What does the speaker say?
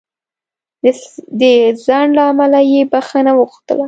د ځنډ له امله یې بخښنه وغوښتله.